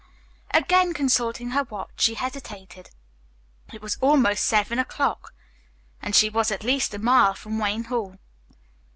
Again consulting her watch, she hesitated. It was almost seven o'clock, and she was at least a mile from Wayne Hall.